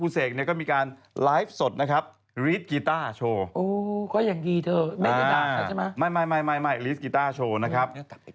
ตอนนี้ของผู้เสกก็มีการไลฟ์สดนะครับมีกีต้าโชว์ไม่มีกีต้าโชว์นะครับ